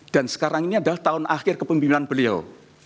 dan sekarang ini adalah tahun akhir kepemimpinan beliau